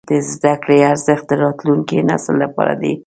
د زده کړې ارزښت د راتلونکي نسل لپاره دی.